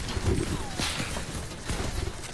اب بچھتائے کیا ہوت جب چڑیا چگ گئی کھیت